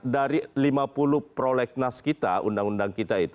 dari lima puluh prolegnas kita undang undang kita itu